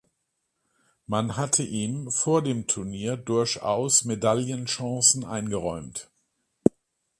Man hatte ihm vor dem Turnier durchaus Medaillenchancen eingeräumt.